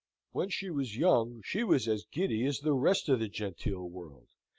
When she was young, she was as giddy as the rest of the genteel world.